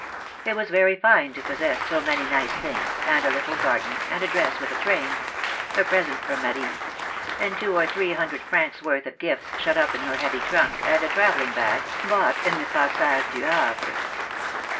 It was very fine to possess so manymice things, and a little garden, and a dress with a train — a present from Marie — and two or three hundred francs' worth of gifts shut up in her heavy trunk, and a travelling bag, bought in the Passage du Havre."